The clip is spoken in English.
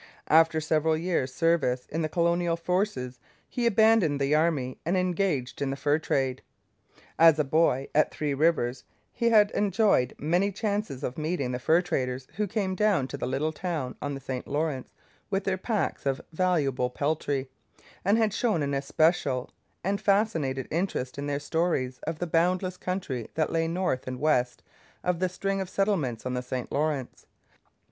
After several years' service in the colonial forces, he abandoned the army, and engaged in the fur trade. As a boy at Three Rivers, he had enjoyed many chances of meeting the fur traders who came down to the little town on the St Lawrence with their packs of valuable peltry, and had shown an especial and fascinated interest in their stories of the boundless country that lay north and west of the string of settlements on the St Lawrence.